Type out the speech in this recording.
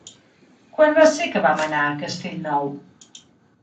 Quan va ser que vam anar a Castellnou?